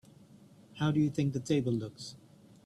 How do you think the table looks?